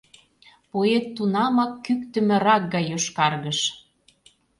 Поэт тунамак кӱктымӧ рак гай йошкаргыш.